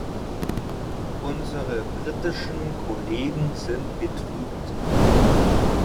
Unsere britischen Kollegen sind betrübt.